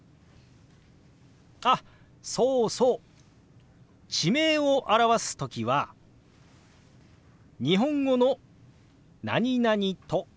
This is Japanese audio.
あっそうそう地名を表す時は日本語の「何々都」